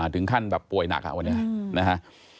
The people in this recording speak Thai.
ถึงขั้นป่วยหนักวันนี้นะฮะ